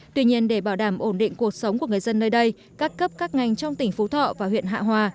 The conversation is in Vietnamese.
tuy nhiên để bảo đảm ổn định cuộc sống của người dân nơi đây các cấp các ngành trong tỉnh phú thọ và huyện hạ hòa